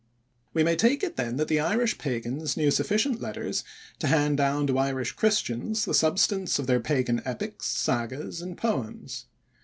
We may take it then that the Irish pagans knew sufficient letters to hand down to Irish Christians the substance of their pagan epics, sagas, and poems.